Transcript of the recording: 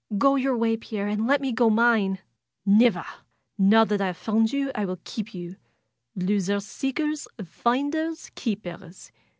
Go your way, Pierre, and let me go mine !" "Never! Now that I have found you, I will keep you. Losers seekers, finders keepers!